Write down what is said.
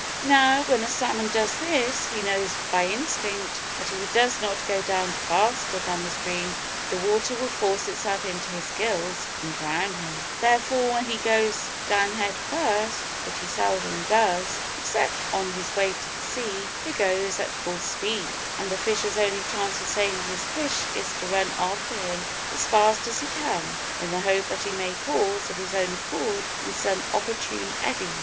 Now, when a salmon does this, he knows by instinct that if he does not go down faster than the stream the water will force itself into his gills and drown him; therefore when he goes down head first, (which he seldom does, except when on his way to the sea), he goes at full speed, and the fisher's only chance of saving his fish is to run after him as fast as he can, in the hope that he may pause of his own accord in some opportune eddy.